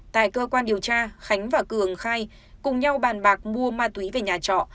tại cơ quan điều tra khánh và cường khai cùng nhau bàn bạc mua ma túy về nhà trọ